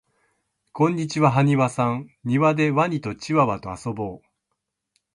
こんにちははにわさんにわでワニとチワワとあそぼう